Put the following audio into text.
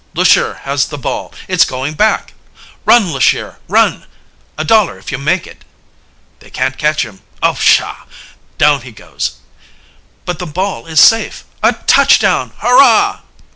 "Lushear has the ball! It's going back!" "Run, Lushear, run! A dollar if you make it!" "They can't catch him! Oh, pshaw! Down he goes!" "But the ball is safe! A touchdown! Hurrah!"